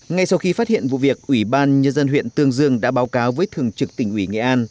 ngay sau khi phát hiện vụ việc ủy ban nhân dân huyện tương dương đã báo cáo với thường trực tỉnh ủy nghệ an